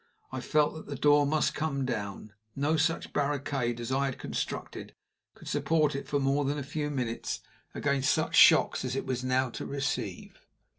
I felt that the door must come down. No such barricade as I had constructed could support it for more than a few minutes against such shocks as it was now to receive.